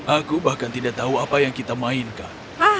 aku bahkan tidak tahu apa yang kita mainkan